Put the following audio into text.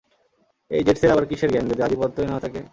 এই জেটসের আবার কিসের গ্যাং যদি আধিপত্যই না থাকে?